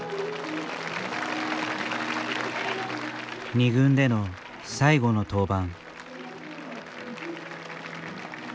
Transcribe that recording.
２軍での最後の登板。